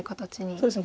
そうですね